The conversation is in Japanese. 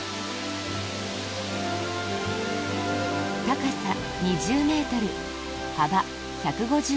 高さ２０ｍ、幅１５０ｍ。